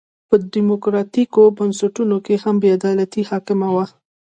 په ډیموکراټیکو بنسټونو کې هم بې عدالتي حاکمه وه.